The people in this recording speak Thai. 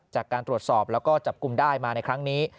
จากการตรวจสอบแล้วก็จับกลุ่มได้มาในครั้งนี้